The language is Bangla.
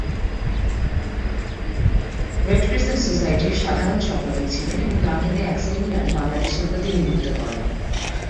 রেড ক্রিসেন্ট সোসাইটি সাধারণ সম্পাদক ছিলেন এবং লন্ডনে এক সেমিনারে বাংলাদেশের প্রতিনিধিত্ব করেন।